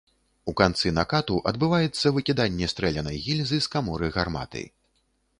У канцы накату адбываецца выкіданне стрэлянай гільзы з каморы гарматы.